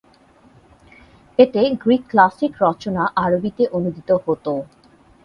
এতে Greek classic রচনা আরবিতে অনূদিত হত।